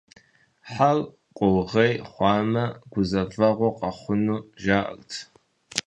Хьэр къугърей хъуамэ, гузэвэгъуэ къэхъуну, жаӀэрт.